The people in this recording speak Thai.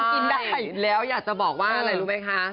กินได้แล้วอยากจะบอกว่าอะไรรู้ไหมคะ